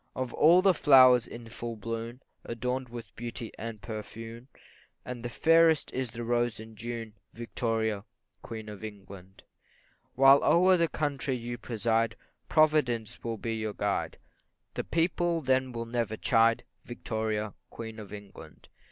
CHORUS. Of all the flowers in full bloom, Adorn'd with beauty and perfume, The fairest is the rose in June, Victoria, Queen of England. While o'er the country you preside, Providence will be your guide, The people then will never chide, Victoria, Queen of England.